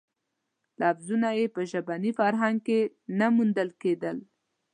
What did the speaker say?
لفظونه یې په ژبني فرهنګ کې نه موندل کېدل.